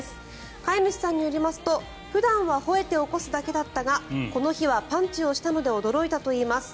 飼い主さんによりますと普段はほえて起こすだけだったがこの日はパンチをしたので驚いたといいます。